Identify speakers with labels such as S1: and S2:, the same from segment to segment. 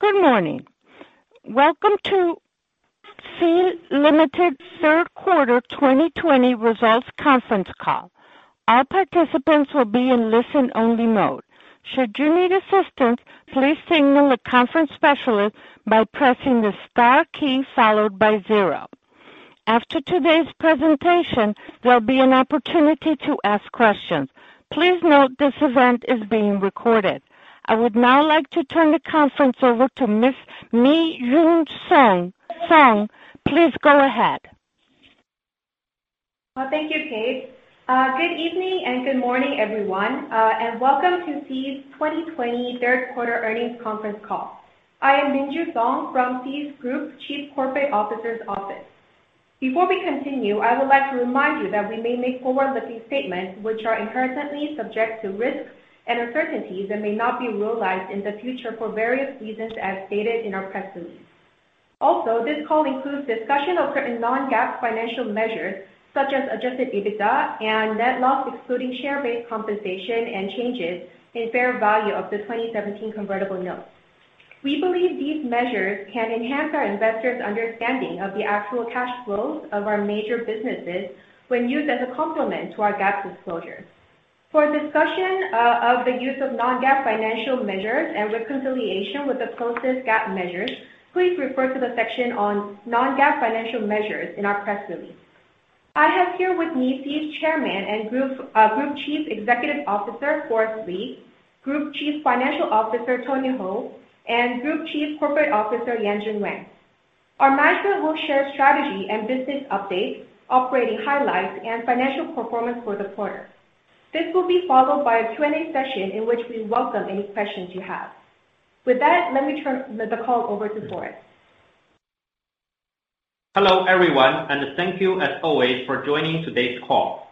S1: Good morning. Welcome to Sea Limited Third Quarter 2020 Results Conference Call. All participants will be in listen-only mode. Should you need assistance, please signal the conference specialist by pressing the star key followed by zero. After today's presentation, there will be an opportunity to ask questions. Please note this event is being recorded. I would now like to turn the conference over to Miss Minju Song. Please go ahead.
S2: Thank you, Kate. Good evening and good morning, everyone, and welcome to Sea's 2020 Third Quarter Earnings Conference Call. I am Minju Song from Sea's Group Chief Corporate Officer's office. Before we continue, I would like to remind you that we may make forward-looking statements, which are inherently subject to risks and uncertainties that may not be realized in the future for various reasons as stated in our press release. This call includes discussion of certain non-GAAP financial measures, such as adjusted EBITDA and net loss, excluding share-based compensation and changes in fair value of the 2017 convertible notes. We believe these measures can enhance our investors' understanding of the actual cash flows of our major businesses when used as a complement to our GAAP disclosures. For a discussion of the use of non-GAAP financial measures and reconciliation with the closest GAAP measures, please refer to the section on non-GAAP financial measures in our press release. I have here with me Sea's Chairman and Group Chief Executive Officer, Forrest Li, Group Chief Financial Officer, Tony Hou, and Group Chief Corporate Officer, Yanjun Wang. Our management will share strategy and business updates, operating highlights, and financial performance for the quarter. This will be followed by a Q&A session in which we welcome any questions you have. With that, let me turn the call over to Forrest.
S3: Hello, everyone. Thank you as always for joining today's call.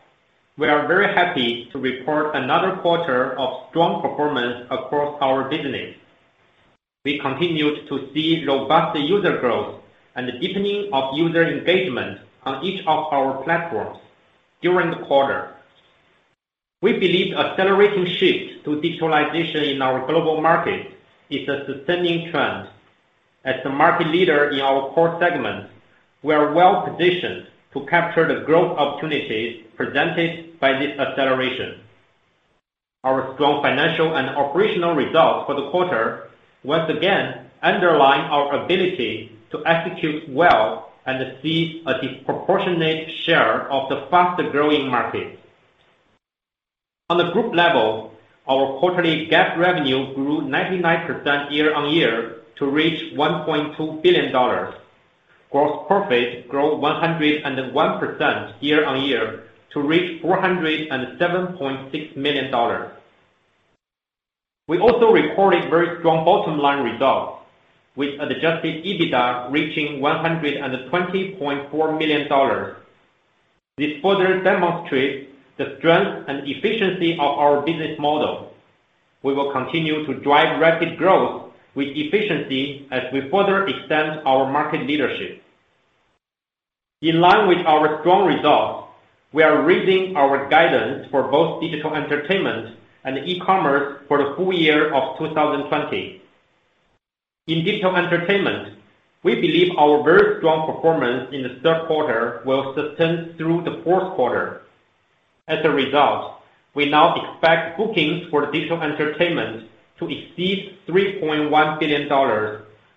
S3: We are very happy to report another quarter of strong performance across our business. We continued to see robust user growth and a deepening of user engagement on each of our platforms during the quarter. We believe accelerating shift to digitalization in our global market is a sustaining trend. As the market leader in our core segment, we are well-positioned to capture the growth opportunities presented by this acceleration. Our strong financial and operational results for the quarter once again underline our ability to execute well and see a disproportionate share of the faster-growing market. On the group level, our quarterly GAAP revenue grew 99% year-on-year to reach $1.2 billion. Gross profits grew 101% year-on-year to reach $407.6 million. We also recorded very strong bottom-line results, with adjusted EBITDA reaching $120.4 million. This further demonstrates the strength and efficiency of our business model. We will continue to drive rapid growth with efficiency as we further extend our market leadership. In line with our strong results, we are raising our guidance for both Digital Entertainment and E-commerce for the full year of 2020. In Digital Entertainment, we believe our very strong performance in the third quarter will sustain through the fourth quarter. As a result, we now expect bookings for Digital Entertainment to exceed $3.1 billion,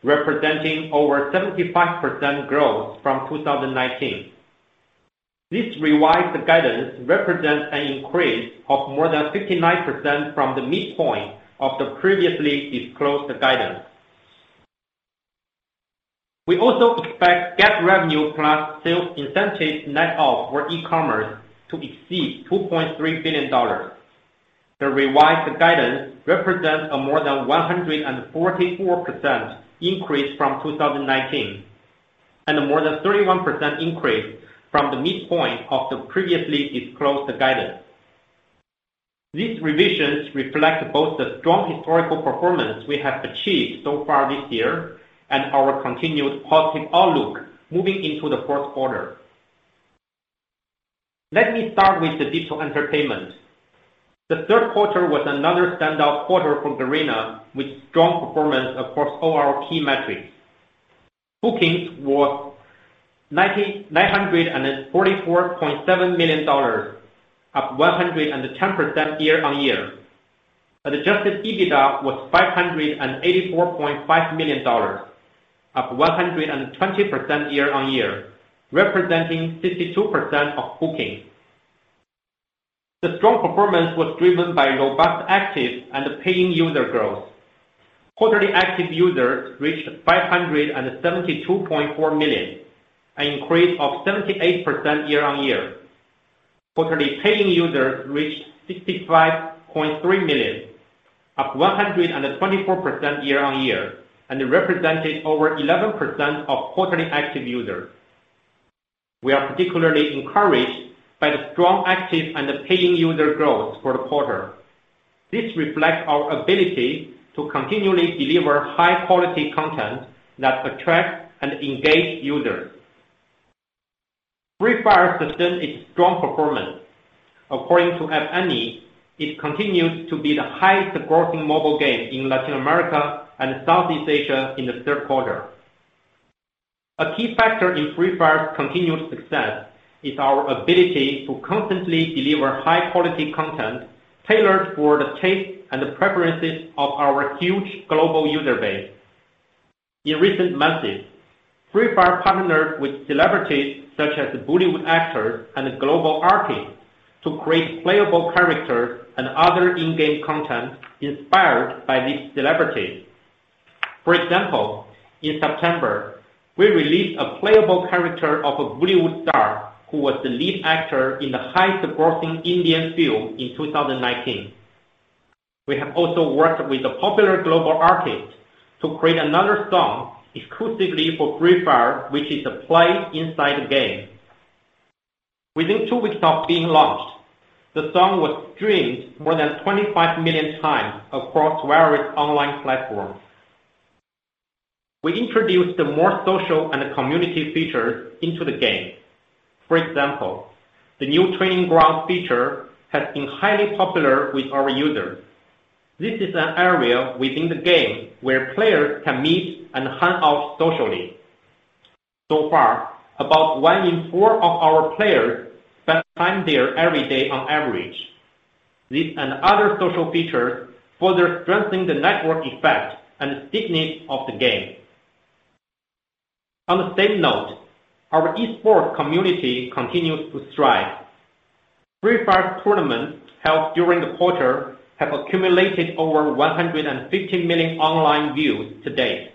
S3: representing over 75% growth from 2019. This revised guidance represents an increase of more than 59% from the midpoint of the previously disclosed guidance. We also expect GAAP revenue plus sales incentives net for E-commerce to exceed $2.3 billion. The revised guidance represents a more than 144% increase from 2019, and a more than 31% increase from the midpoint of the previously disclosed guidance. These revisions reflect both the strong historical performance we have achieved so far this year and our continued positive outlook moving into the fourth quarter. Let me start with digital entertainment. The third quarter was another standout quarter for Garena, with strong performance across all our key metrics. Bookings were $944.7 million, up 110% year-on-year. Adjusted EBITDA was $584.5 million, up 120% year-on-year, representing 62% of bookings. The strong performance was driven by robust active and paying user growth. Quarterly active users reached 572.4 million, an increase of 78% year-on-year. Quarterly paying users reached 65.3 million, up 124% year-on-year, and represented over 11% of quarterly active users. We are particularly encouraged by the strong active and paying user growth for the quarter. This reflects our ability to continually deliver high-quality content that attracts and engages users. Free Fire sustained its strong performance. According to App Annie, it continues to be the highest-grossing mobile game in Latin America and Southeast Asia in the third quarter. A key factor in Free Fire's continued success is our ability to constantly deliver high-quality content tailored for the taste and the preferences of our huge global user base. In recent months, Free Fire partnered with celebrities such as the Bollywood actors and global artists to create playable characters and other in-game content inspired by these celebrities. For example, in September, we released a playable character of a Bollywood star who was the lead actor in the highest-grossing Indian film in 2019. We have also worked with a popular global artist to create another song exclusively for Free Fire, which is played inside the game. Within two weeks of being launched, the song was streamed more than 25 million times across various online platforms. We introduced more social and community features into the game. For example, the new training ground feature has been highly popular with our users. This is an area within the game where players can meet and hang out socially. So far, about one in four of our players spend time there every day on average. This and other social features further strengthen the network effect and the stickiness of the game. On the same note, our esports community continues to thrive. Free Fire's tournaments held during the quarter have accumulated over 150 million online views to date.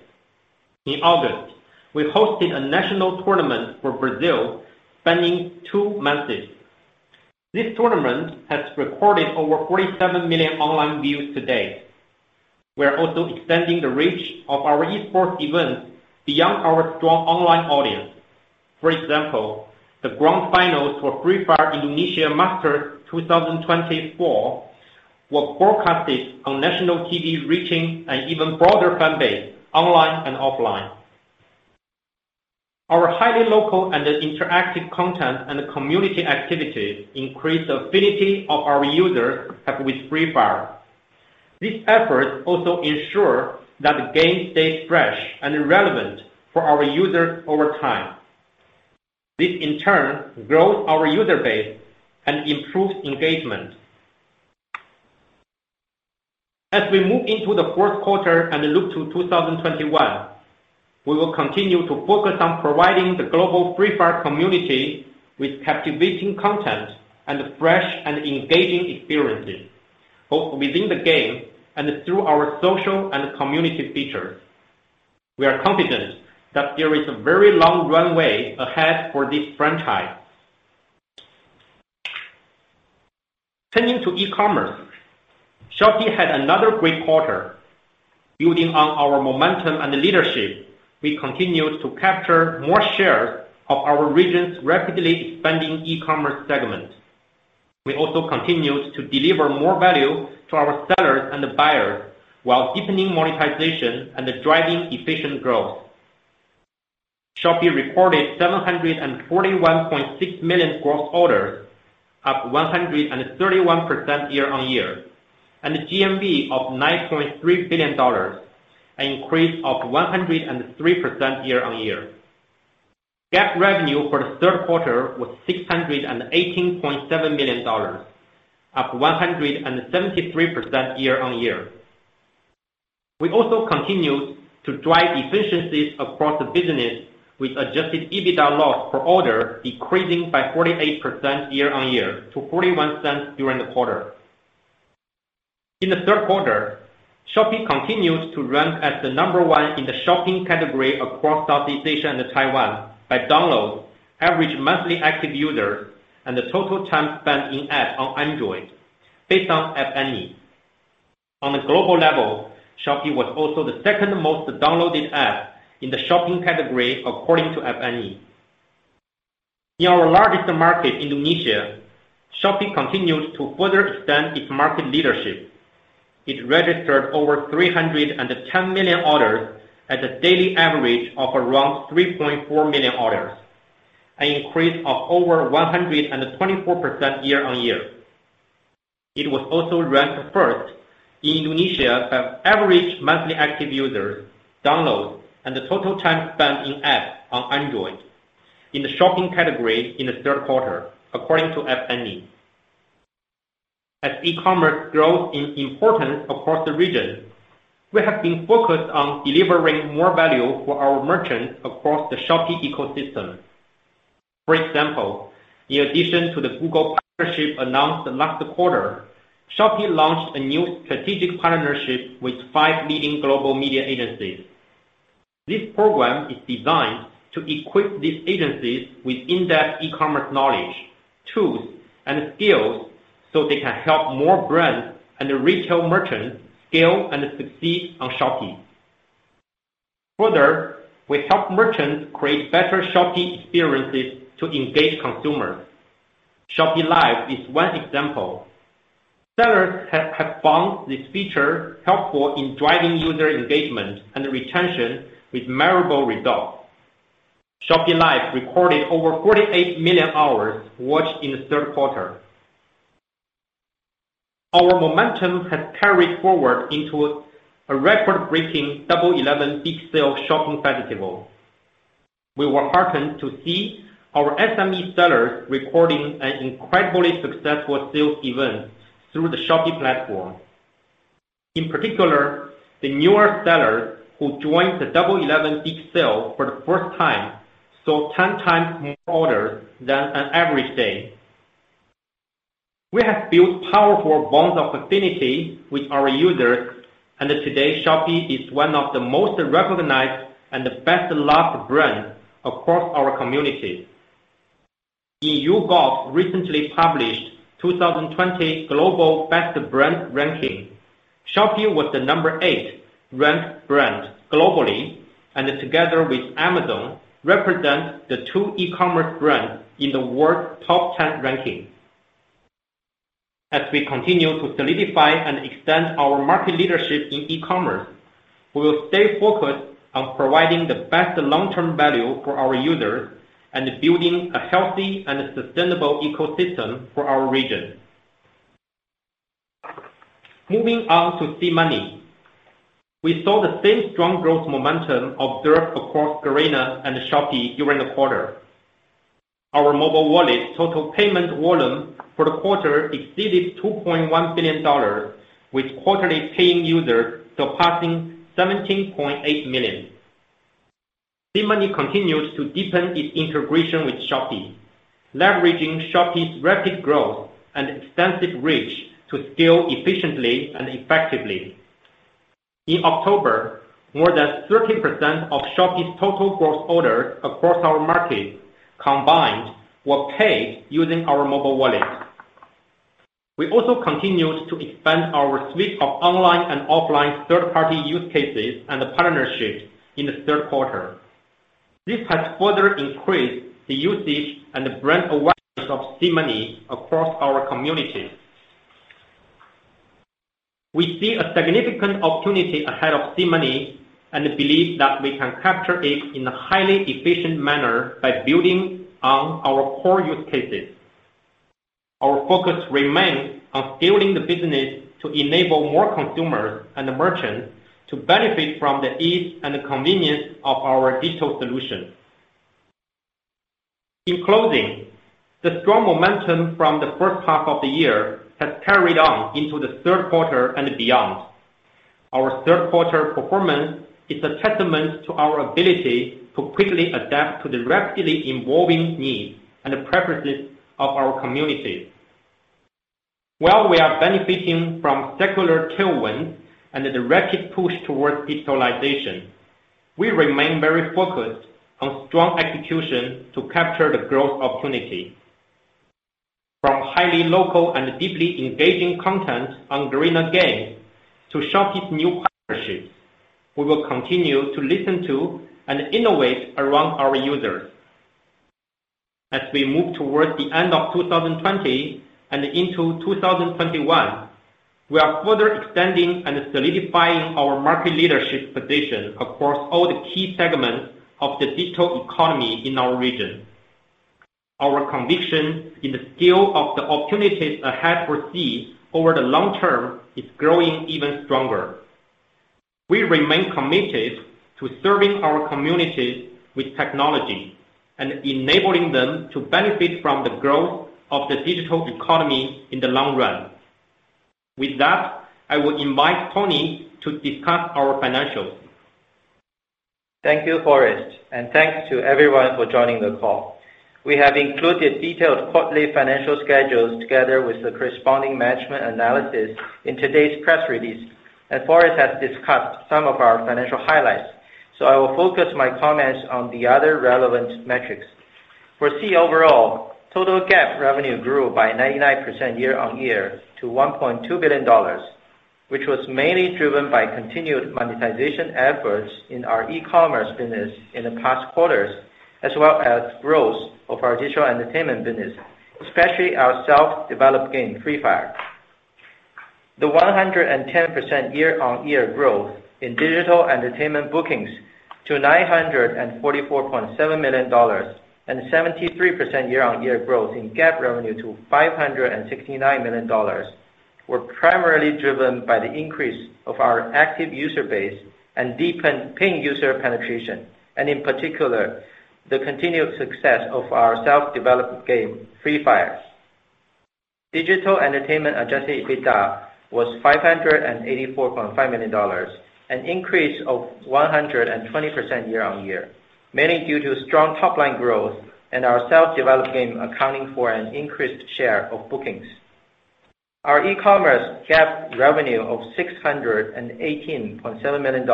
S3: In August, we hosted a national tournament for Brazil spanning two months. This tournament has recorded over 47 million online views to date. We're also extending the reach of our esports events beyond our strong online audience. For example, the grand finals for Free Fire Indonesia Masters 2020 were broadcasted on national TV, reaching an even broader fan base online and offline. Our highly local and interactive content, and community activities increase the affinity of our users with Free Fire. These efforts also ensure that the game stays fresh and relevant for our users over time. This, in turn, grows our user base and improves engagement. As we move into the fourth quarter and look to 2021, we will continue to focus on providing the global Free Fire community with captivating content and fresh and engaging experiences, both within the game and through our social and community features. We are confident that there is a very long runway ahead for this franchise. Turning to e-commerce, Shopee had another great quarter. Building on our momentum and leadership, we continued to capture more shares of our region's rapidly expanding e-commerce segment. We also continued to deliver more value to our sellers and buyers while deepening monetization and driving efficient growth. Shopee recorded 741.6 million gross orders, up 131% year-on-year, and a GMV of $9.3 billion, an increase of 103% year-on-year. GAAP revenue for the third quarter was $618.7 million, up 173% year-on-year. We also continued to drive efficiencies across the business with adjusted EBITDA loss per order decreasing by 48% year-on-year to $0.41 during the quarter. In the third quarter, Shopee continued to rank as the number 1 in the shopping category across Southeast Asia and Taiwan by downloads, average monthly active users, and the total time spent in app on Android, based on App Annie. On a global level, Shopee was also the second most downloaded app in the shopping category, according to App Annie. In our largest market, Indonesia, Shopee continued to further extend its market leadership. It registered over 310 million orders at a daily average of around 3.4 million orders, an increase of over 124% year-on-year. It was also ranked first in Indonesia by average monthly active users, downloads, and the total time spent in app on Android in the shopping category in the third quarter, according to App Annie. As e-commerce grows in importance across the region, we have been focused on delivering more value for our merchants across the Shopee ecosystem. For example, in addition to the Google partnership announced last quarter, Shopee launched a new strategic partnership with five leading global media agencies. This program is designed to equip these agencies with in-depth e-commerce knowledge, tools, and skills, so they can help more brands and retail merchants scale and succeed on Shopee. We help merchants create better Shopee experiences to engage consumers. Shopee Live is one example. Sellers have found this feature helpful in driving user engagement and retention with measurable results. Shopee Live recorded over 48 million hours watched in the third quarter. Our momentum has carried forward into a record-breaking Double 11 Big Sale Shopping Festival. We were heartened to see our SME sellers recording an incredibly successful sales event through the Shopee platform. In particular, the newer sellers who joined the Double 11 Big Sale for the first time, saw 10 times more orders than an average day. We have built powerful bonds of affinity with our users. Today, Shopee is one of the most recognized and the best-loved brands across our community. In YouGov recently published 2020 Global Best Brand ranking, Shopee was the number eight ranked brand globally. Together with Amazon, represent the two e-commerce brands in the world's top 10 ranking. As we continue to solidify and extend our market leadership in e-commerce, we will stay focused on providing the best long-term value for our users and building a healthy and sustainable ecosystem for our region. Moving on to SeaMoney. We saw the same strong growth momentum observed across Garena and Shopee during the quarter. Our mobile wallet total payment volume for the quarter exceeded $2.1 billion, with quarterly paying users surpassing 17.8 million. SeaMoney continues to deepen its integration with Shopee, leveraging Shopee's rapid growth and extensive reach to scale efficiently and effectively. In October, more than 30% of Shopee's total gross orders across our market combined were paid using our mobile wallet. We also continued to expand our suite of online and offline third-party use cases and partnerships in the third quarter. This has further increased the usage and brand awareness of SeaMoney across our community. We see a significant opportunity ahead of SeaMoney and believe that we can capture it in a highly efficient manner by building on our core use cases. Our focus remains on scaling the business to enable more consumers and merchants to benefit from the ease and convenience of our digital solutions. In closing, the strong momentum from the first half of the year has carried on into the third quarter and beyond. Our third quarter performance is a testament to our ability to quickly adapt to the rapidly evolving needs and preferences of our community. While we are benefiting from secular tailwind and the rapid push towards digitalization, we remain very focused on strong execution to capture the growth opportunity. From highly local and deeply engaging content on Garena games to Shopee's new partnerships, we will continue to listen to and innovate around our users. As we move towards the end of 2020 and into 2021, we are further extending and solidifying our market leadership position across all the key segments of the digital economy in our region. Our conviction in the scale of the opportunities ahead for Sea over the long term is growing even stronger. We remain committed to serving our community with technology and enabling them to benefit from the growth of the digital economy in the long run. With that, I will invite Tony to discuss our financials.
S4: Thank you, Forrest, and thanks to everyone for joining the call. We have included detailed quarterly financial schedules together with the corresponding management analysis in today's press release, and Forrest has discussed some of our financial highlights, so I will focus my comments on the other relevant metrics. For Sea overall, total GAAP revenue grew by 99% year-on-year to $1.2 billion, which was mainly driven by continued monetization efforts in our e-commerce business in the past quarters, as well as growth of our digital entertainment business, especially our self-developed game, Free Fire. The 110% year-on-year growth in digital entertainment bookings to $944.7 million and 73% year-on-year growth in GAAP revenue to $569 million were primarily driven by the increase of our active user base and deepened paying user penetration, and in particular, the continued success of our self-developed game, Free Fire. Digital Entertainment adjusted EBITDA was $584.5 million, an increase of 120% year-on-year, mainly due to strong top-line growth and our self-developed game accounting for an increased share of bookings. Our e-commerce GAAP revenue of $618.7 million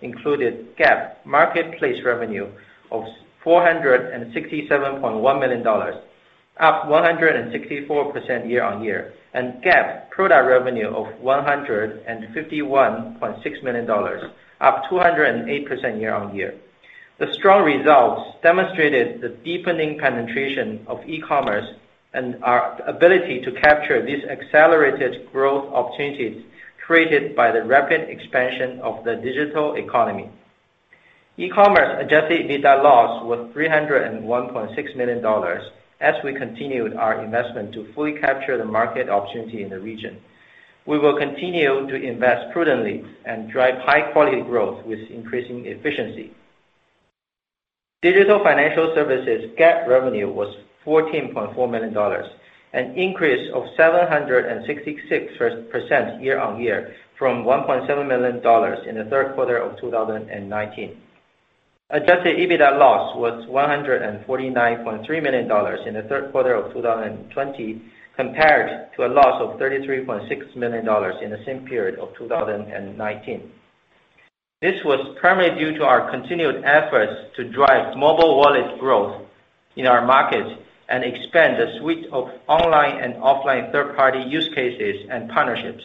S4: included GAAP marketplace revenue of $467.1 million, up 164% year-on-year, and GAAP product revenue of $151.6 million, up 208% year-on-year. The strong results demonstrated the deepening penetration of e-commerce and our ability to capture these accelerated growth opportunities created by the rapid expansion of the digital economy. E-commerce adjusted EBITDA loss was $301.6 million as we continued our investment to fully capture the market opportunity in the region. We will continue to invest prudently and drive high-quality growth with increasing efficiency. Digital Financial Services GAAP revenue was $14.4 million, an increase of 766% year-on-year from $1.7 million in the third quarter of 2019. Adjusted EBITDA loss was $149.3 million in the third quarter of 2020, compared to a loss of $33.6 million in the same period of 2019. This was primarily due to our continued efforts to drive mobile wallet growth in our market and expand the suite of online and offline third-party use cases and partnerships.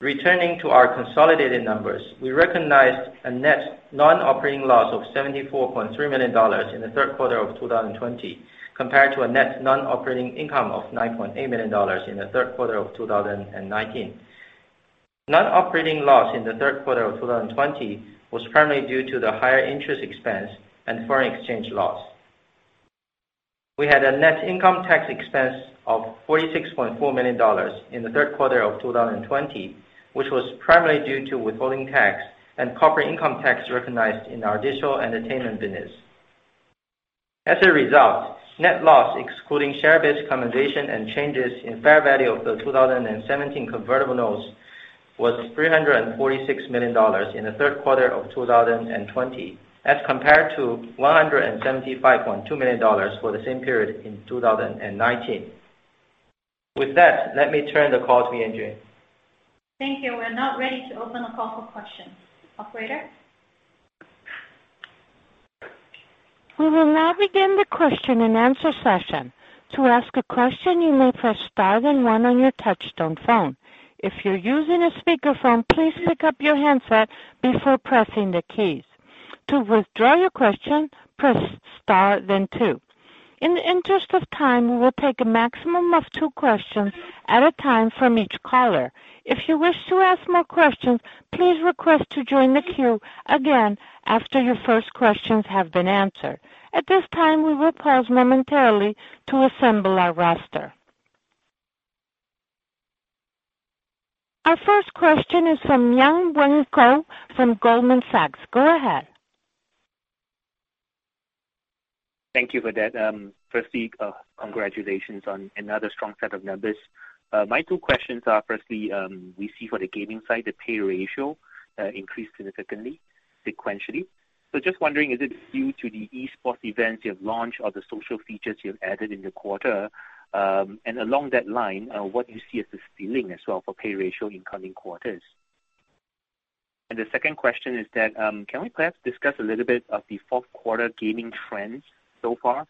S4: Returning to our consolidated numbers, we recognized a net non-operating loss of $74.3 million in the third quarter of 2020, compared to a net non-operating income of $9.8 million in the third quarter of 2019. Non-operating loss in the third quarter of 2020 was primarily due to the higher interest expense and foreign exchange loss. We had a net income tax expense of $46.4 million in the third quarter of 2020, which was primarily due to withholding tax and corporate income tax recognized in our Digital Entertainment business. As a result, net loss excluding share-based compensation and changes in fair value of the 2017 convertible notes was $346 million in the third quarter of 2020 as compared to $175.2 million for the same period in 2019. With that, let me turn the call to Yanjun.
S5: Thank you. We're now ready to open the call for questions. Operator?
S1: We will now begin the question and answer session. To ask a question, you may press star then one on your touchtone phone. If you're using a speakerphone, please pick up your handset before pressing the keys. To withdraw your question, press star then two. In the interest of time, we will take a maximum of two questions at a time from each caller. If you wish to ask more questions, please request to join the queue again after your first questions have been answered. At this time, we will pause momentarily to assemble our roster. Our first question is from Miang Chuen Koh from Goldman Sachs. Go ahead.
S6: Thank you for that. Firstly, congratulations on another strong set of numbers. My two questions are, firstly, we see for the gaming side, the pay ratio increased significantly sequentially. Just wondering, is it due to the esports events you have launched or the social features you have added in the quarter? Along that line, what do you see as the ceiling as well for pay ratio in coming quarters? The second question is that, can we perhaps discuss a little bit of the fourth quarter gaming trends so far,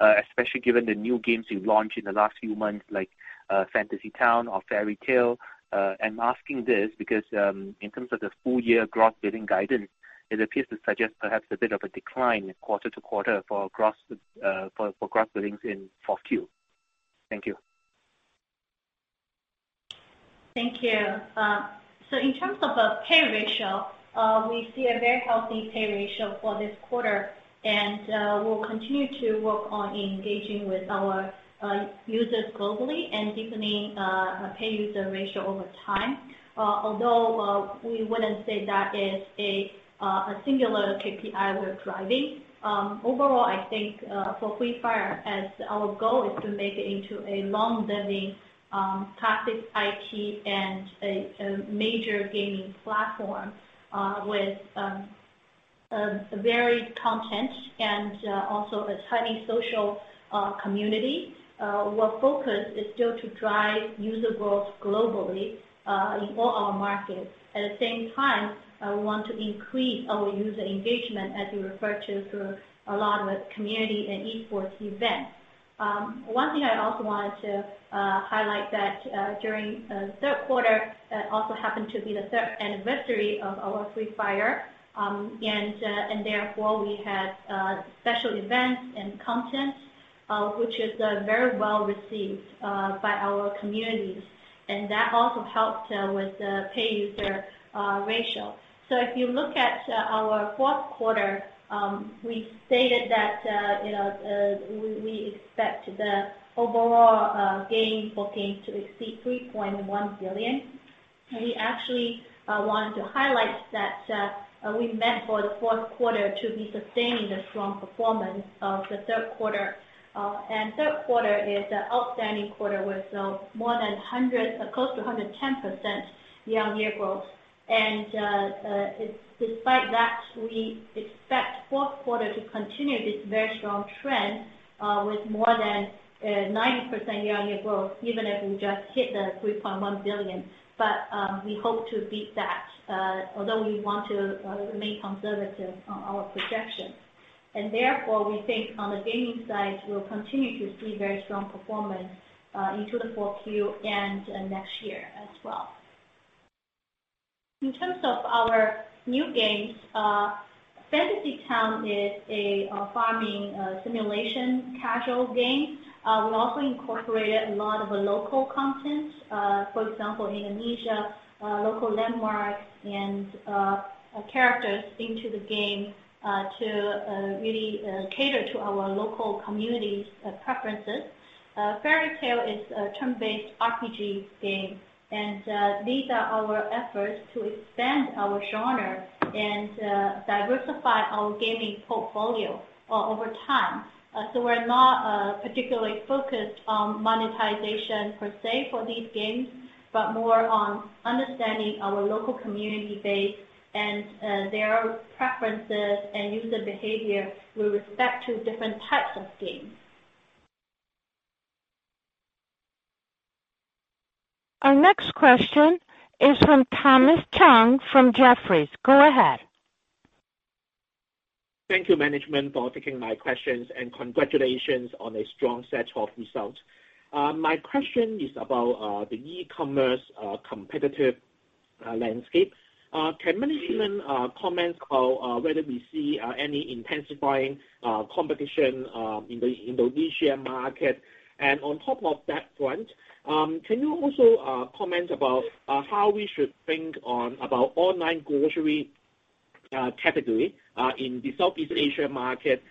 S6: especially given the new games you've launched in the last few months, like Fantasy Town or Fairy Tail? I'm asking this because in terms of the full year gross billing guidance, it appears to suggest perhaps a bit of a decline quarter to quarter for gross billings in 4Q. Thank you.
S5: Thank you. In terms of the pay ratio, we see a very healthy pay ratio for this quarter, and we'll continue to work on engaging with our users globally and deepening our pay user ratio over time. Although we wouldn't say that is a singular KPI we're driving. Overall, I think, for Free Fire, as our goal is to make it into a long-living, classic IP and a major gaming platform with varied content and also a tiny social community. Our focus is still to drive user growth globally in all our markets. At the same time, we want to increase our user engagement, as you referred to, through a lot of community and e-sports events. One thing I also wanted to highlight that during the third quarter, that also happened to be the third anniversary of our Free Fire. Therefore we had special events and content, which is very well received by our communities, and that also helped with the pay user ratio. If you look at our fourth quarter, we stated that we expect the overall gain for games to exceed $3.1 billion. We actually wanted to highlight that we meant for the fourth quarter to be sustaining the strong performance of the third quarter. Third quarter is an outstanding quarter with more than 100, close to 110% year-on-year growth. Despite that, we expect fourth quarter to continue this very strong trend with more than 90% year-on-year growth, even if we just hit the $3.1 billion. We hope to beat that, although we want to remain conservative on our projections. Therefore, we think on the gaming side, we'll continue to see very strong performance into the fourth quarter and next year as well. In terms of our new games, Fantasy Town is a farming simulation casual game. We also incorporated a lot of the local content, for example, Indonesia, local landmarks, and characters into the game to really cater to our local community's preferences. Fairy Tail is a turn-based RPG game, and these are our efforts to expand our genre and diversify our gaming portfolio over time. We're not particularly focused on monetization per se for these games, but more on understanding our local community base and their preferences and user behavior with respect to different types of games.
S1: Our next question is from Thomas Chong from Jefferies. Go ahead.
S7: Thank you management for taking my questions, congratulations on a strong set of results. My question is about the e-commerce competitive landscape. Can management comment on whether we see any intensifying competition in the Indonesia market? On top of that front, can you also comment about how we should think about online grocery category in the Southeast Asia market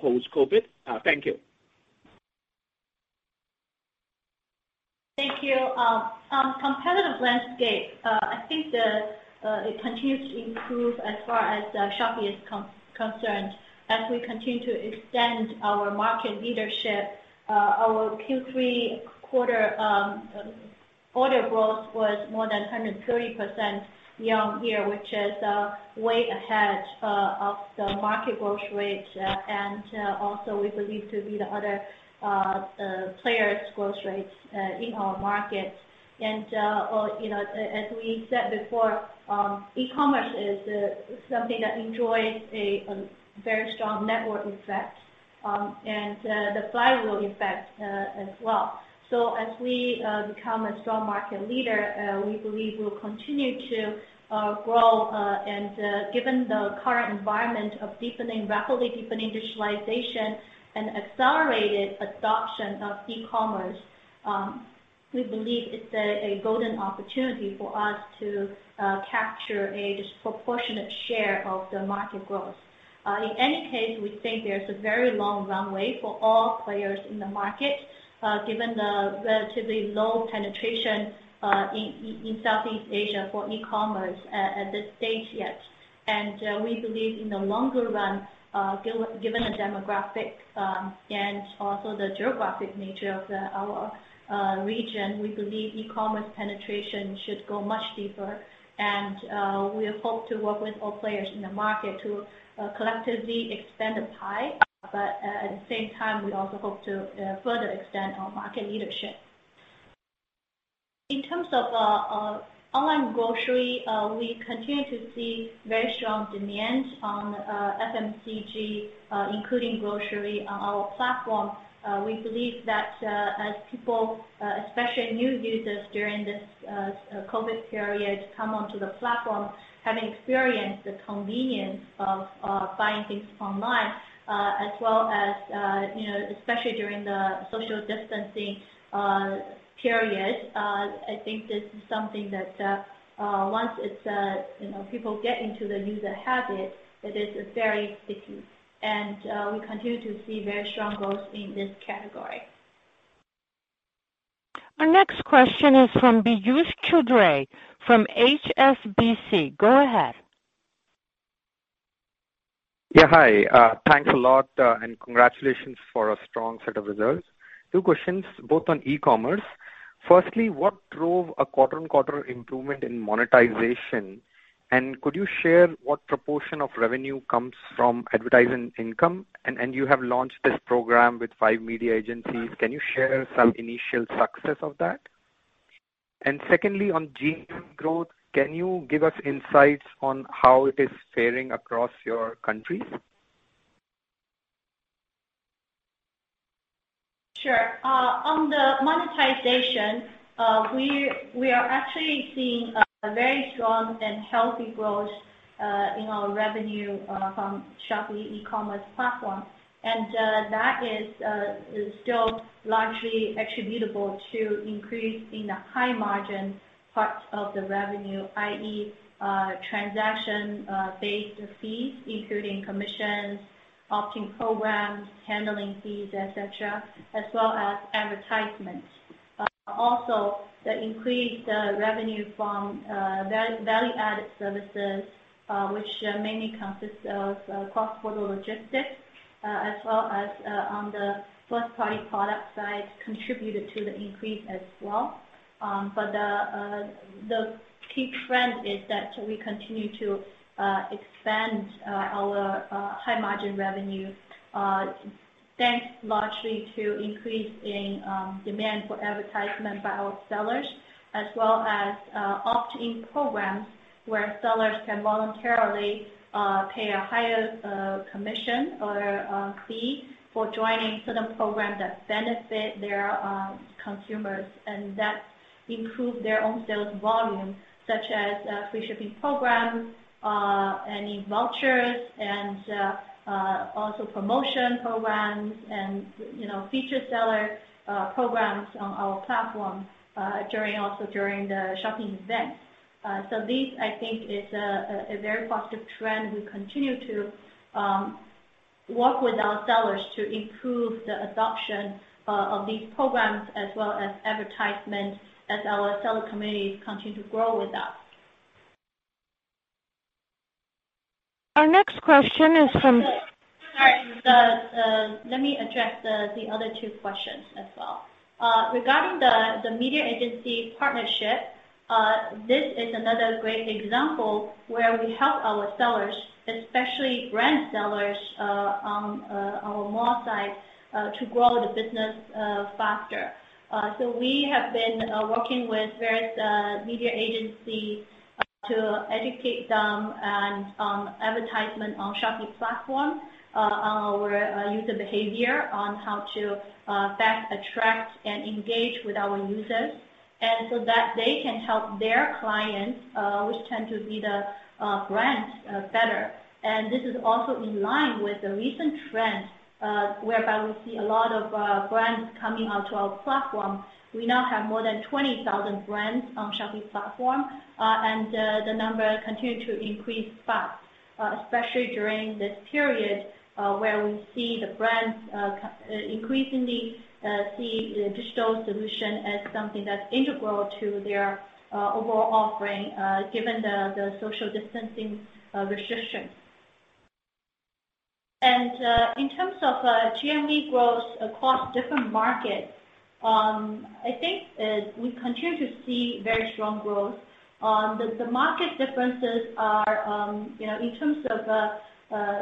S7: post-COVID? Thank you.
S5: Thank you. Competitive landscape, I think it continues to improve as far as Shopee is concerned. As we continue to extend our market leadership, our Q3 quarter order growth was more than 130% year-on-year, which is way ahead of the market growth rate. Also, we believe to be the other players' growth rates in our market. As we said before, e-commerce is something that enjoys a very strong network effect, and the flywheel effect as well. As we become a strong market leader, we believe we'll continue to grow. Given the current environment of rapidly deepening digitalization and accelerated adoption of e-commerce, we believe it's a golden opportunity for us to capture a disproportionate share of the market growth. In any case, we think there's a very long runway for all players in the market given the relatively low penetration in Southeast Asia for e-commerce at this stage yet. We believe in the longer run, given the demographic and also the geographic nature of our region, we believe e-commerce penetration should go much deeper. We hope to work with all players in the market to collectively expand the pie. At the same time, we also hope to further extend our market leadership. In terms of online grocery, we continue to see very strong demands on FMCG, including grocery on our platform. We believe that as people, especially new users during this COVID period, come onto the platform, having experienced the convenience of buying things online, as well as especially during the social distancing period, I think this is something that once people get into the user habit, it is very sticky. We continue to see very strong growth in this category.
S1: Our next question is from Piyush Choudhary from HSBC. Go ahead.
S8: Yeah. Hi, thanks a lot, and congratulations for a strong set of results. Two questions, both on e-commerce. Firstly, what drove a quarter-on-quarter improvement in monetization? Could you share what proportion of revenue comes from advertising income? You have launched this program with five media agencies. Can you share some initial success of that? Secondly, on GMV growth, can you give us insights on how it is faring across your countries?
S5: Sure. On the monetization, we are actually seeing a very strong and healthy growth in our revenue from Shopee e-commerce platform. That is still largely attributable to increase in the high margin part of the revenue, i.e. transaction-based fees, including commissions, opt-in programs, handling fees, et cetera, as well as advertisements. Also, the increased revenue from value-added services, which mainly consists of cross-border logistics as well as on the first-party product side, contributed to the increase as well. The key trend is that we continue to expand our high-margin revenue, thanks largely to increase in demand for advertisement by our sellers as well as opt-in programs where sellers can voluntarily pay a higher commission or fee for joining certain program that benefit their consumers and that improve their own sales volume, such as free shipping programs, any vouchers, and also promotion programs and featured seller programs on our platform also during the shopping event. This, I think, is a very positive trend. We continue to work with our sellers to improve the adoption of these programs as well as advertisement as our seller communities continue to grow with us.
S1: Our next question is from.
S5: Sorry. Let me address the other two questions as well. Regarding the media agency partnership, this is another great example where we help our sellers, especially brand sellers, on our mall side, to grow the business faster. We have been working with various media agency to educate them on advertisement on Shopee platform, on our user behavior, on how to best attract and engage with our users. That they can help their clients, which tend to be the brands, better. This is also in line with the recent trend, whereby we see a lot of brands coming onto our platform. We now have more than 20,000 brands on Shopee platform, and the number continue to increase fast, especially during this period, where we see the brands increasingly see digital solution as something that's integral to their overall offering given the social distancing restrictions. In terms of GMV growth across different markets, I think we continue to see very strong growth. The market differences are in terms of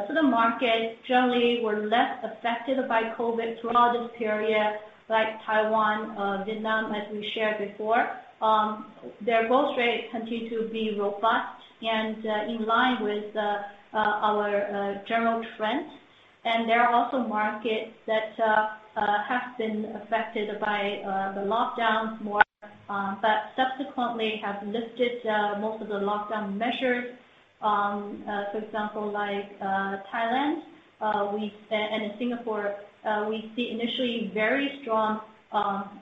S5: certain markets generally were less affected by COVID throughout this period, like Taiwan, Vietnam, as we shared before. Their growth rates continue to be robust and in line with our general trends. There are also markets that have been affected by the lockdowns more, but subsequently have lifted most of the lockdown measures. For example, like Thailand and in Singapore, we see initially very strong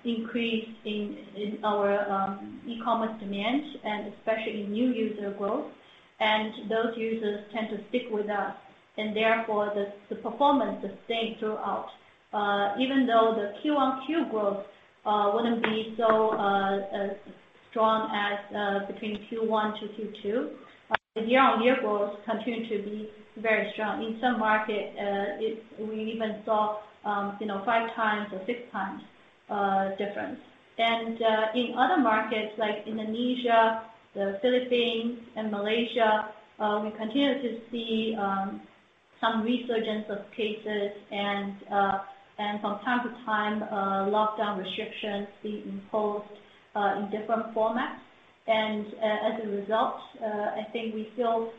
S5: increase in our e-commerce demand and especially new user growth. Those users tend to stick with us, and therefore, the performance is staying throughout. Even though the Q-on-Q growth wouldn't be so strong as between Q1 to Q2, the year-on-year growth continue to be very strong. In some market, we even saw five times or six times difference. In other markets like Indonesia, the Philippines, and Malaysia, we continue to see some resurgence of cases and from time to time, lockdown restrictions being imposed in different formats. As a result, I think we still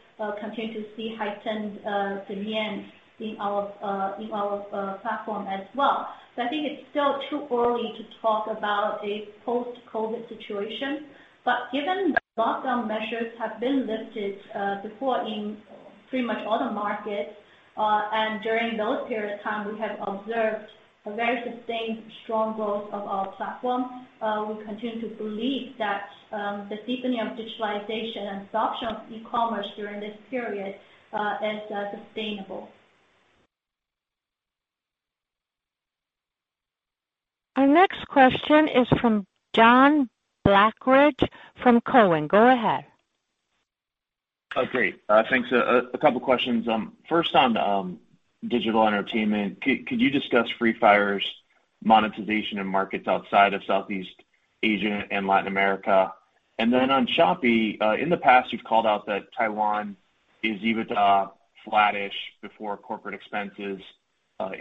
S5: continue to see heightened demand in our platform as well. I think it's still too early to talk about a post-COVID situation, but given the lockdown measures have been lifted before in pretty much all the markets, and during those period of time, we have observed a very sustained strong growth of our platform, we continue to believe that the deepening of digitalization and adoption of e-commerce during this period is sustainable.
S1: Our next question is from John Blackledge from Cowen. Go ahead.
S9: Great. Thanks. A couple questions. First on digital entertainment. Could you discuss Free Fire's monetization in markets outside of Southeast Asia and Latin America? Then on Shopee, in the past, you've called out that Taiwan is EBITDA flat-ish before corporate expenses,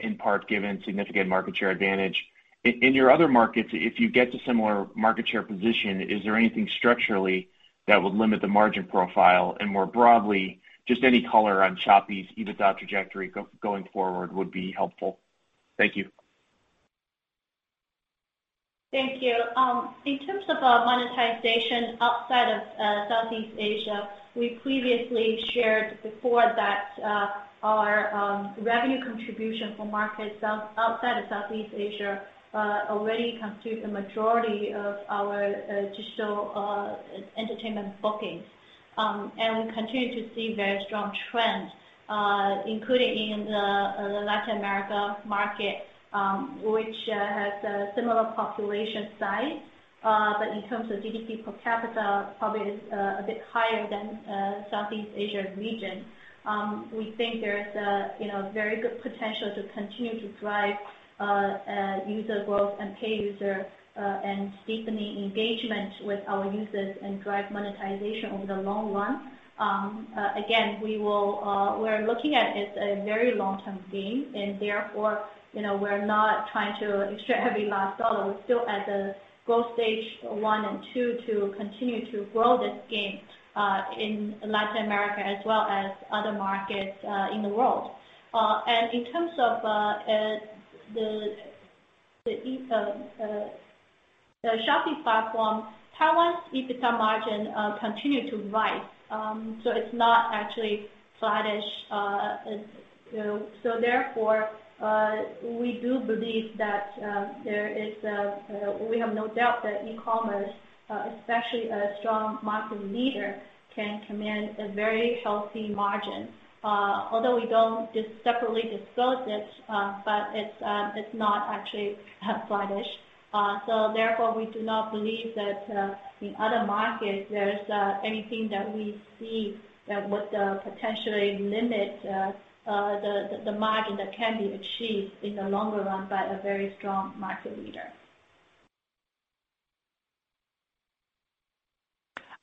S9: in part given significant market share advantage. In your other markets, if you get to similar market share position, is there anything structurally that would limit the margin profile? More broadly, just any color on Shopee's EBITDA trajectory going forward would be helpful. Thank you.
S5: Thank you. In terms of monetization outside of Southeast Asia, we previously shared before that our revenue contribution for markets outside of Southeast Asia already constitute a majority of our digital entertainment bookings. We continue to see very strong trends, including in the Latin America market, which has a similar population size. In terms of GDP per capita, probably is a bit higher than Southeast Asia region. We think there is a very good potential to continue to drive user growth and pay user, and deepening engagement with our users and drive monetization over the long run. Again, we're looking at it as a very long-term game, and therefore, we're not trying to extract every last dollar. We're still at the growth stage one and two to continue to grow this game in Latin America as well as other markets in the world. In terms of the Shopee platform, Taiwan's EBITDA margin continued to rise. It's not actually flattish. Therefore, we have no doubt that e-commerce, especially a strong market leader, can command a very healthy margin. Although we don't separately disclose it, but it's not actually flattish. Therefore, we do not believe that in other markets, there's anything that we see that would potentially limit the margin that can be achieved in the longer run by a very strong market leader.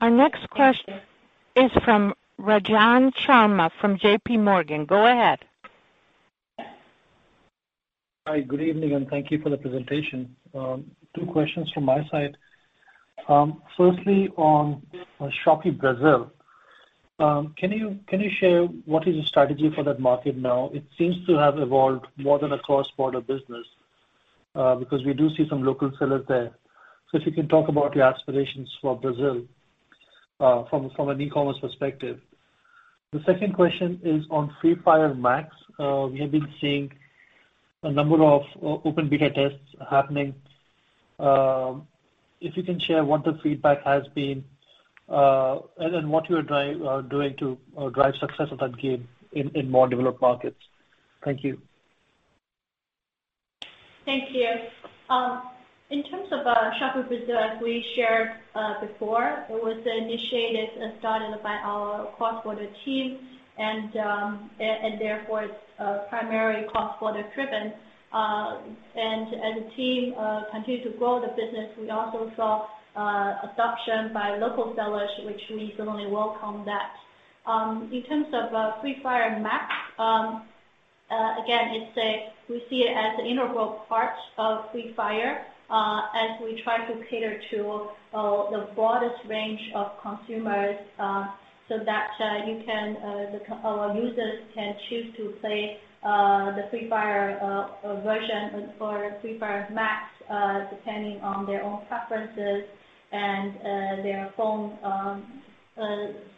S1: Our next question is from Ranjan Sharma from JP Morgan. Go ahead.
S10: Hi. Good evening, thank you for the presentation. Two questions from my side. Firstly, on Shopee Brazil. Can you share what is the strategy for that market now? It seems to have evolved more than a cross-border business, because we do see some local sellers there. If you can talk about your aspirations for Brazil from an e-commerce perspective. The second question is on Free Fire Max. We have been seeing a number of open beta tests happening. If you can share what the feedback has been, then what you are doing to drive success of that game in more developed markets. Thank you.
S5: Thank you. In terms of Shopee Brazil, as we shared before, it was initiated and started by our cross-border team, therefore it's primarily cross-border driven. As the team continued to grow the business, we also saw adoption by local sellers, which we certainly welcome that. In terms of Free Fire Max, again, we see it as an integral part of Free Fire as we try to cater to the broadest range of consumers so that our users can choose to play the Free Fire version or Free Fire Max depending on their own preferences and their phone's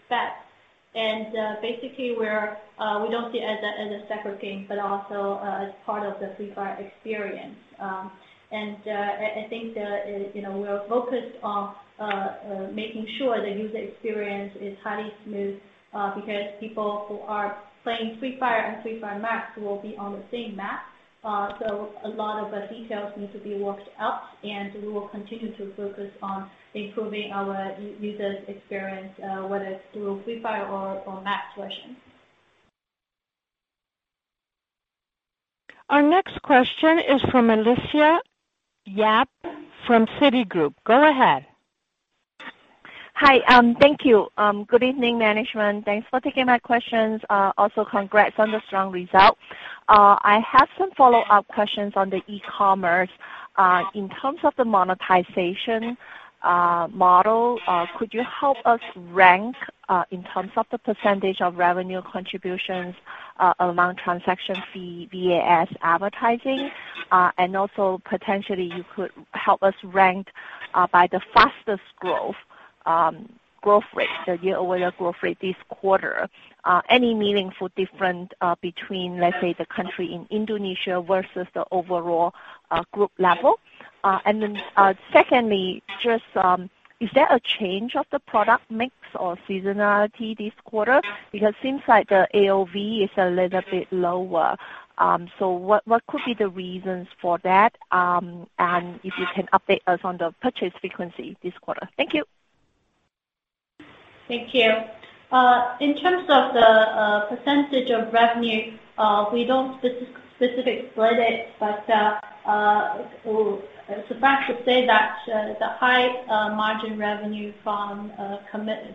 S5: specs. Basically, we don't see it as a separate game, but also as part of the Free Fire experience. I think that we are focused on making sure the user experience is highly smooth because people who are playing Free Fire and Free Fire Max will be on the same map. A lot of the details need to be worked out, and we will continue to focus on improving our user experience, whether it's through Free Fire or Max version.
S1: Our next question is from Alicia Yap from Citigroup. Go ahead.
S11: Hi. Thank you. Good evening, management. Thanks for taking my questions. Congrats on the strong results. I have some follow-up questions on the e-commerce. In terms of the monetization model, could you help us rank in terms of the percentage of revenue contributions among transaction fee, VAS, advertising? Potentially you could help us rank by the fastest growth rate, the year-over-year growth rate this quarter. Any meaningful difference between, let's say, the country in Indonesia versus the overall group level? Secondly, is there a change of the product mix or seasonality this quarter? Because it seems like the AOV is a little bit lower. What could be the reasons for that? If you can update us on the purchase frequency this quarter. Thank you.
S5: Thank you. In terms of the percentage of revenue, we don't specifically split it, but suffice to say that the high margin revenue from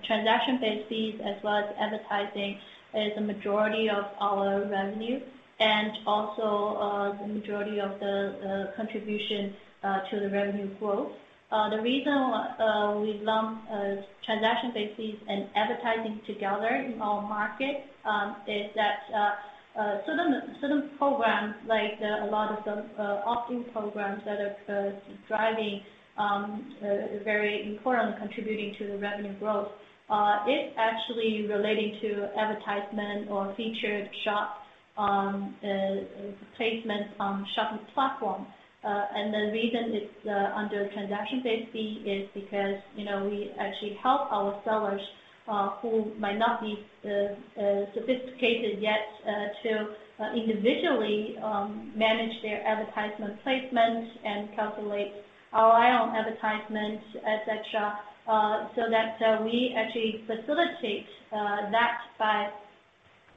S5: transaction-based fees as well as advertising is a majority of our revenue, and also the majority of the contribution to the revenue growth. The reason we lump transaction-based fees and advertising together in our market is that certain programs, like a lot of the opt-in programs that are driving very importantly contributing to the revenue growth, it actually relating to advertisement or featured shop placement on shopping platform. The reason it's under transaction-based fee is because we actually help our sellers who might not be sophisticated yet to individually manage their advertisement placement and calculate our own advertisements, et cetera. That we actually facilitate that by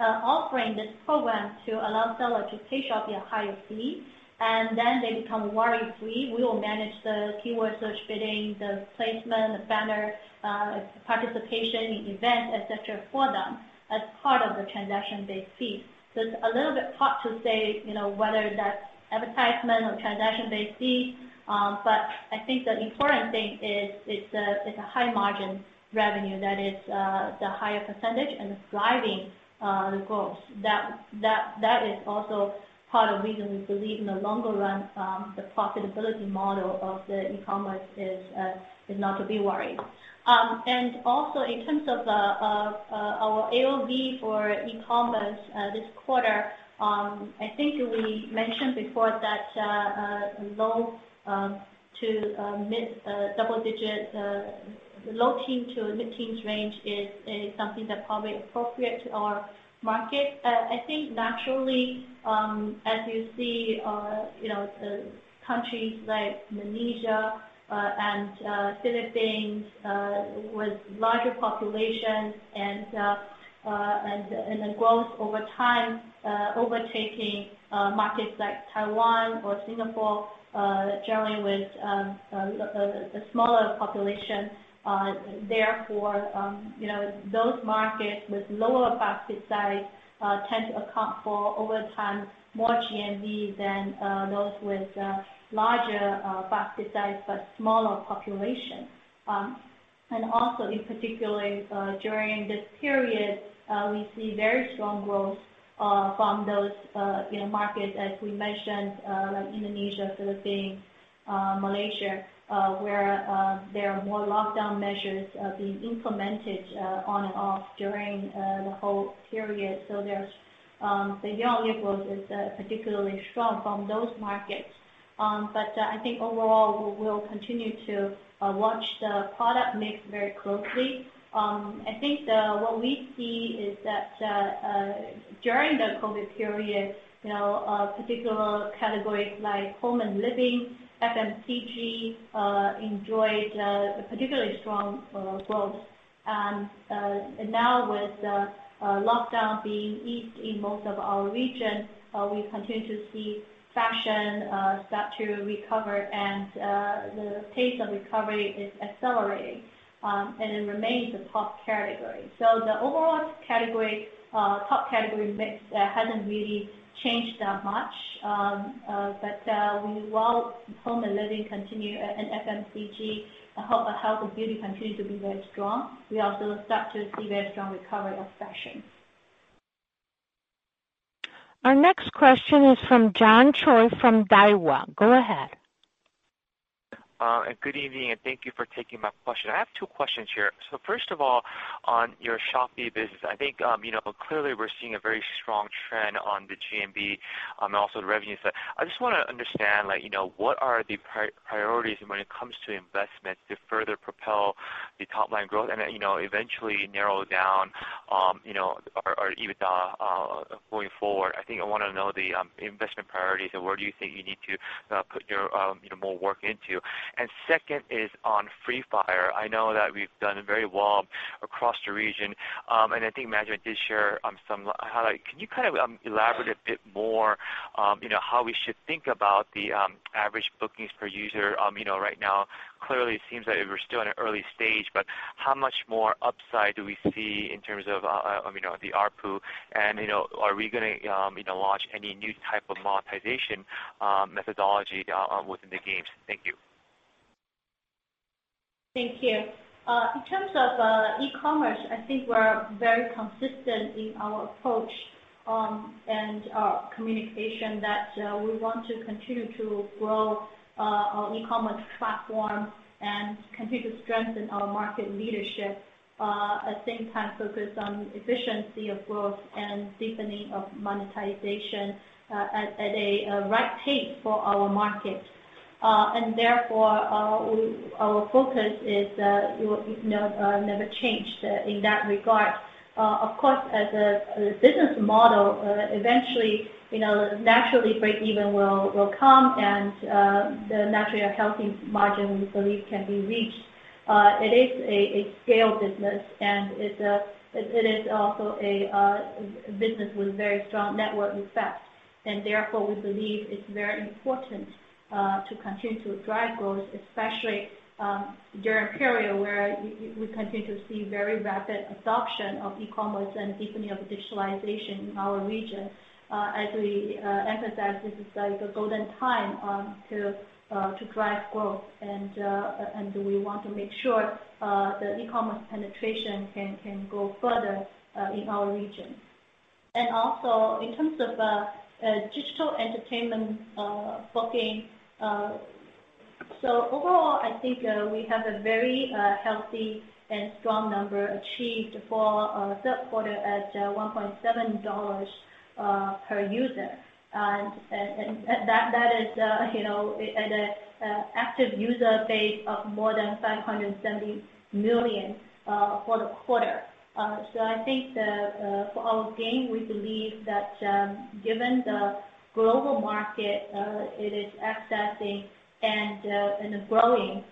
S5: offering this program to allow sellers to pay Shopee a higher fee, and then they become worry-free. We will manage the keyword search bidding, the placement, the banner, participation in event, et cetera, for them as part of the transaction-based fee. It's a little bit hard to say whether that's advertisement or transaction-based fee. I think the important thing is it's a high margin revenue that is the higher percentage and it's driving the growth. That is also part of the reason we believe in the longer run, the profitability model of the e-commerce is not to be worried. Also in terms of our AOV for e-commerce this quarter, I think we mentioned before that low to mid double digit, low-teen to mid-teens range is something that probably appropriate to our market. Naturally, as you see countries like Indonesia and Philippines with larger population and the growth over time, overtaking markets like Taiwan or Singapore, generally with a smaller population. Those markets with lower basket size tend to account for, over time, more GMV than those with larger basket size, but smaller population. Also particularly during this period, we see very strong growth from those markets as we mentioned, like Indonesia, Philippines, Malaysia where there are more lockdown measures being implemented on and off during the whole period. The year-over-year growth is particularly strong from those markets. I think overall we'll continue to watch the product mix very closely. I think what we see is that during the COVID period, particular categories like home and living, FMCG enjoyed particularly strong growth. Now with the lockdown being eased in most of our region we continue to see fashion start to recover and the pace of recovery is accelerating, and it remains a top category. The overall top category mix hasn't really changed that much. While home and living continue, and FMCG, health and beauty continue to be very strong, we also start to see very strong recovery of fashion.
S1: Our next question is from John Choi from Daiwa. Go ahead.
S12: Good evening. Thank you for taking my question. I have two questions here. First of all, on your Shopee business, I think clearly we're seeing a very strong trend on the GMV and also the revenue side. I just want to understand what are the priorities when it comes to investment to further propel the top line growth and eventually narrow down our EBITDA going forward. I think I want to know the investment priorities and where do you think you need to put more work into. Second is on Free Fire. I know that we've done very well across the region. I think management did share some highlights. Can you elaborate a bit more how we should think about the average bookings per user right now? Clearly it seems that we're still at an early stage, but how much more upside do we see in terms of the ARPU? Are we going to launch any new type of monetization methodology within the games? Thank you.
S5: Thank you. In terms of e-commerce, I think we're very consistent in our approach and our communication that we want to continue to grow our e-commerce platform and continue to strengthen our market leadership, at the same time focus on efficiency of growth and deepening of monetization at a right pace for our market. Therefore our focus is never changed in that regard. Of course, as a business model eventually, naturally breakeven will come and naturally a healthy margin we believe can be reached. It is a scale business, and it is also a business with very strong network effects. Therefore, we believe it's very important to continue to drive growth especially during a period where we continue to see very rapid adoption of e-commerce and deepening of digitalization in our region. As we emphasize, this is the golden time to drive growth, and we want to make sure the e-commerce penetration can go further in our region. Also in terms of digital entertainment booking. Overall, I think we have a very healthy and strong number achieved for third quarter at $1.7 per user. That is at an active user base of more than 570 million for the quarter. I think for our game, we believe that given the global market it is accessing and growing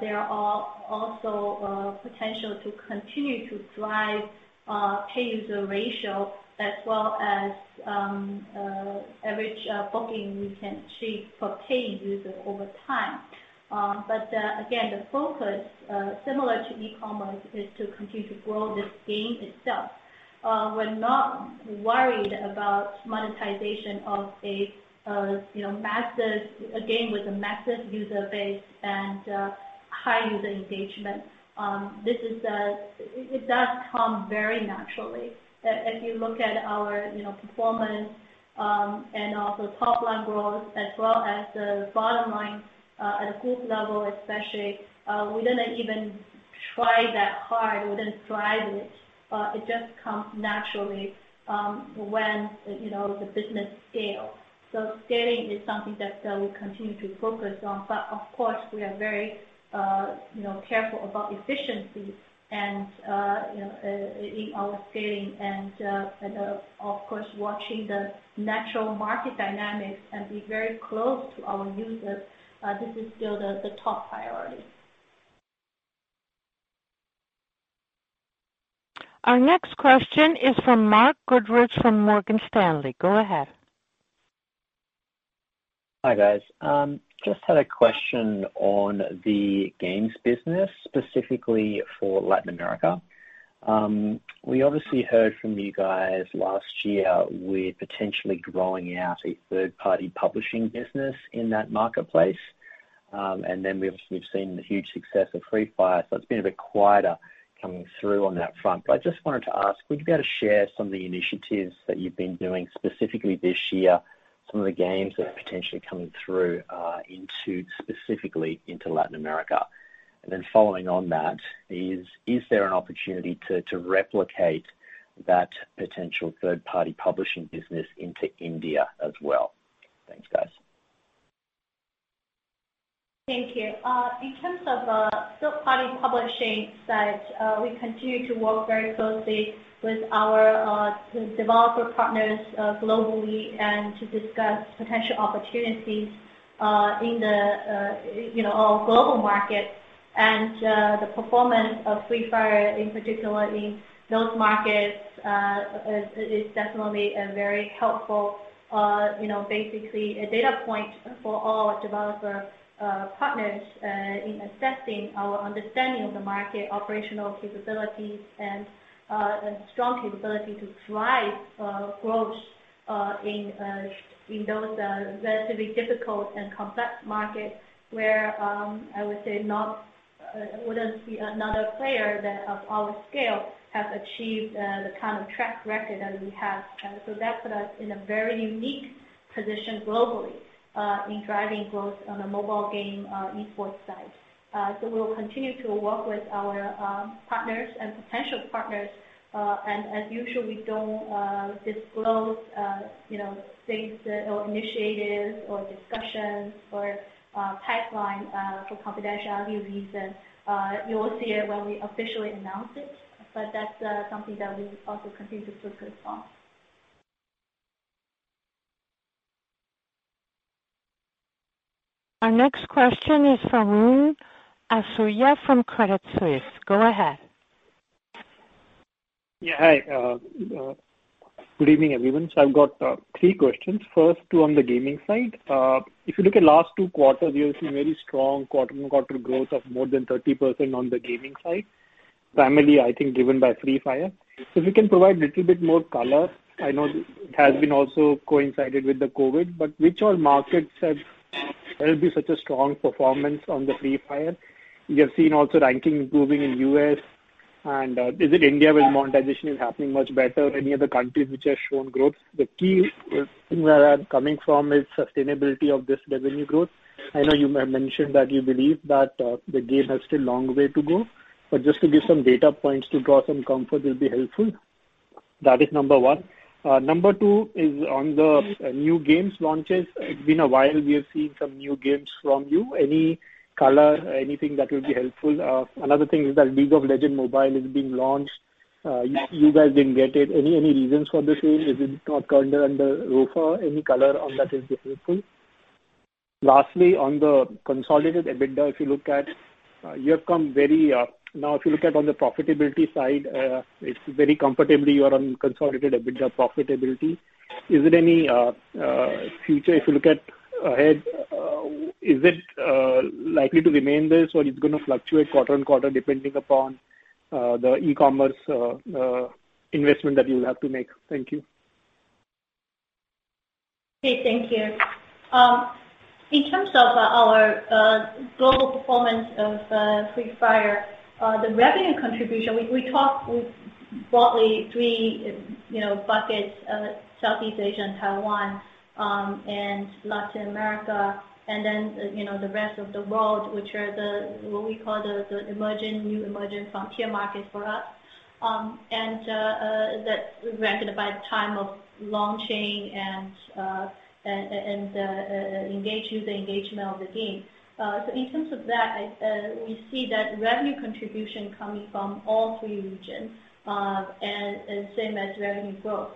S5: there are also potential to continue to drive paid user ratio as well as average booking we can achieve per paid user over time. Again, the focus, similar to e-commerce, is to continue to grow this game itself. We're not worried about monetization of a game with a massive user base and high user engagement. It does come very naturally. If you look at our performance, also top line growth as well as the bottom line at a group level especially, we didn't try that hard or didn't drive it. It just comes naturally when the business scales. Scaling is something that we continue to focus on. Of course, we are very careful about efficiency in our scaling and of course watching the natural market dynamics and be very close to our users. This is still the top priority.
S1: Our next question is from Mark Goodridge from Morgan Stanley. Go ahead.
S13: Hi, guys. Just had a question on the games business, specifically for Latin America. We obviously heard from you guys last year with potentially growing out a third-party publishing business in that marketplace. We've seen the huge success of Free Fire, so it's been a bit quieter coming through on that front. I just wanted to ask, would you be able to share some of the initiatives that you've been doing specifically this year? Some of the games that are potentially coming through specifically into Latin America. Following on that is there an opportunity to replicate that potential third-party publishing business into India as well? Thanks, guys.
S5: Thank you. In terms of third-party publishing side, we continue to work very closely with our developer partners globally and to discuss potential opportunities in our global market. The performance of Free Fire, in particular in those markets, is definitely very helpful. Basically, a data point for all our developer partners in assessing our understanding of the market operational capabilities and a strong capability to drive growth in those relatively difficult and complex markets where I would say wouldn't see another player of our scale have achieved the kind of track record that we have. That put us in a very unique position globally in driving growth on the mobile game esports side. We will continue to work with our partners and potential partners. As usual, we don't disclose stages or initiatives or discussions or pipeline for confidentiality reasons. You will see it when we officially announce it. That's something that we also continue to focus on.
S1: Our next question is from Varun Ahuja from Credit Suisse. Go ahead.
S14: Yeah, hi. Good evening, everyone. I've got three questions. First, two on the gaming side. If you look at last two quarters, we have seen very strong quarter-on-quarter growth of more than 30% on the gaming side. Primarily, I think driven by Free Fire. If you can provide a little bit more color. I know it has been also coincided with the COVID, but which all markets have there been such a strong performance on the Free Fire? We have seen also ranking improving in U.S., and is it India where monetization is happening much better? Any other countries which have shown growth? The key where I'm coming from is sustainability of this revenue growth. I know you have mentioned that you believe that the game has still long way to go, but just to give some data points to draw some comfort will be helpful. That is number one. Number two is on the new games launches. It's been a while we have seen some new games from you. Any color, anything that will be helpful. Another thing is that League of Legend Mobile is being launched. You guys didn't get it. Any reasons for the same? Is it not under ROFO? Any color on that will be helpful. Lastly, on the consolidated EBITDA, if you look at on the profitability side, it's very comfortably you are on consolidated EBITDA profitability. Future, if you look ahead, is it likely to remain this or it's going to fluctuate quarter on quarter depending upon the e-commerce investment that you will have to make? Thank you.
S5: Okay, thank you. In terms of our global performance of Free Fire, the revenue contribution, we talk broadly three buckets: Southeast Asia and Taiwan, Latin America, the rest of the world, which are what we call the emerging frontier markets for us. That ranked by the time of launching and user engagement of the game. We see that revenue contribution coming from all three regions, and same as revenue growth.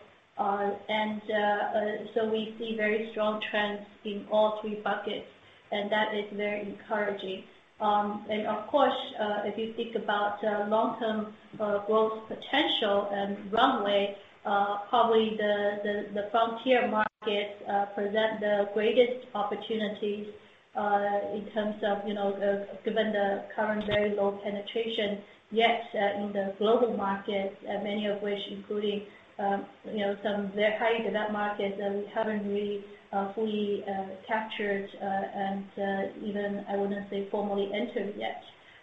S5: We see very strong trends in all three buckets, and that is very encouraging. Of course, if you think about long-term growth potential and runway, probably the frontier markets present the greatest opportunities. In terms of, given the current very low penetration, yet in the global market, many of which including some very high developed markets that we haven't really fully captured and even, I wouldn't say formally entered yet.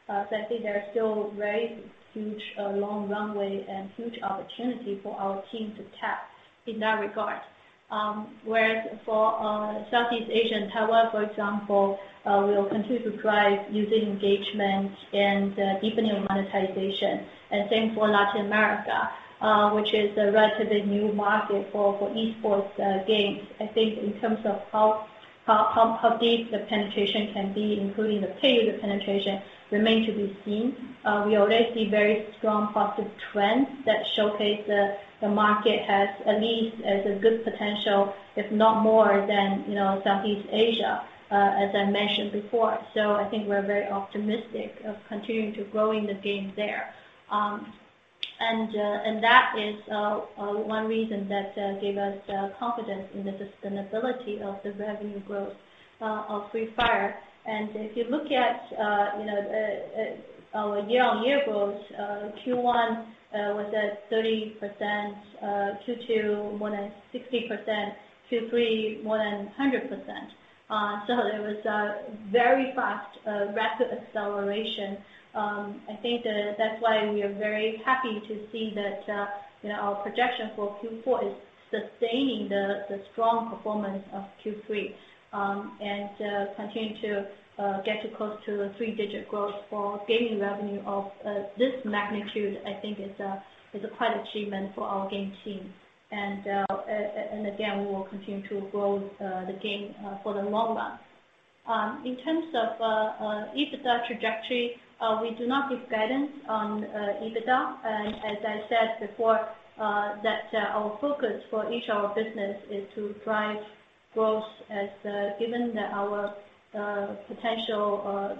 S5: I think there are still very huge long runway and huge opportunity for our team to tap in that regard. Whereas for Southeast Asia and Taiwan, for example, we'll continue to drive user engagement and deepening monetization. Same for Latin America, which is a relatively new market for esports games. I think in terms of how deep the penetration can be, including the payer penetration, remain to be seen. We already see very strong positive trends that showcase the market has at least a good potential, if not more than Southeast Asia, as I mentioned before. I think we're very optimistic of continuing to growing the game there. That is one reason that gave us confidence in the sustainability of the revenue growth of Free Fire. If you look at our year-on-year growth, Q1 was at 30%, Q2 more than 60%, Q3 more than 100%. It was a very fast, rapid acceleration. I think that's why we are very happy to see that our projection for Q4 is sustaining the strong performance of Q3. Continue to get close to a three-digit growth for gaming revenue of this magnitude, I think is quite an achievement for our game team. Again, we will continue to grow the game for the long run. In terms of EBITDA trajectory, we do not give guidance on EBITDA. As I said before, that our focus for each our business is to drive growth as given that our potential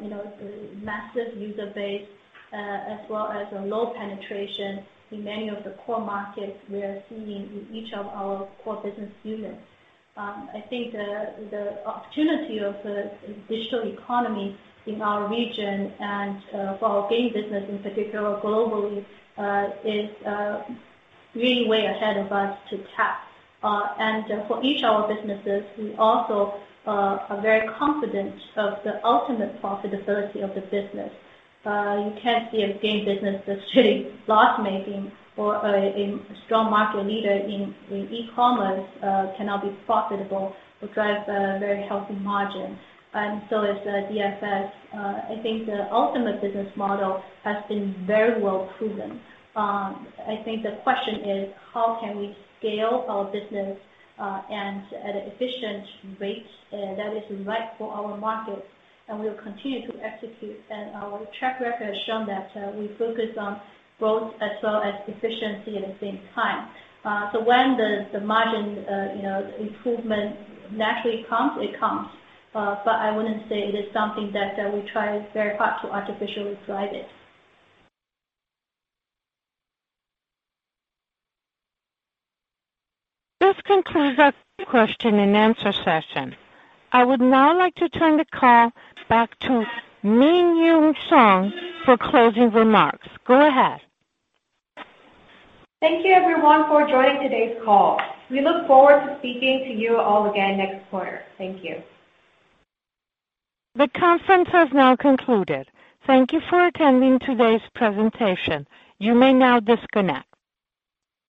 S5: massive user base as well as a low penetration in many of the core markets we are seeing in each of our core business units. I think the opportunity of the digital economy in our region and for our game business in particular globally, is really way ahead of us to tap. For each of our businesses, we also are very confident of the ultimate profitability of the business. You can't see a game business that's really loss-making or a strong market leader in e-commerce cannot be profitable or drive a very healthy margin. As DFS, I think the ultimate business model has been very well proven. I think the question is how can we scale our business, and at an efficient rate that is right for our market, and we will continue to execute and our track record has shown that we focus on growth as well as efficiency at the same time. When the margin improvement naturally comes, it comes. I wouldn't say it is something that we try very hard to artificially drive it.
S1: This concludes our question and answer session. I would now like to turn the call back to Minju Song for closing remarks. Go ahead.
S2: Thank you everyone for joining today's call. We look forward to speaking to you all again next quarter. Thank you.
S1: The conference has now concluded. Thank you for attending today's presentation. You may now disconnect.